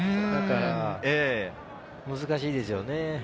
だから難しいですよね。